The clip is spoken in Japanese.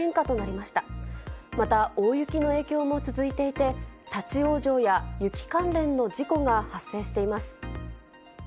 また大雪の影響も続いていて、立往生や雪関連の事故が発生しています。